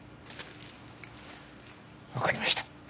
わかりました。